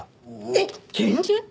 えっ拳銃！？